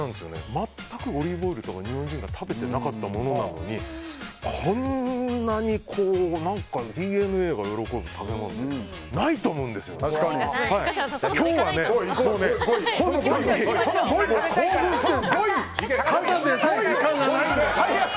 全くオリーブオイルとか日本人が食べてなかったものなのにこんなにＤＮＡが喜ぶ食べ物って高嶋さんそろそろいかないと！